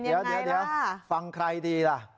เนี้ยเป็นยังไงล่ะเดี๋ยวฟังใครดีล่ะ